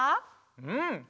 うん。